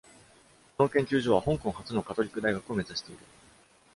この研究所は、香港初のカトリック大学を目指している。